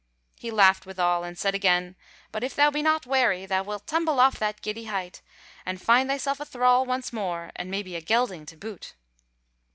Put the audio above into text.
He laughed withal, and said again: "But if thou be not wary, thou wilt tumble off that giddy height, and find thyself a thrall once more, and maybe a gelding to boot."